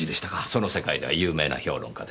その世界では有名な評論家です。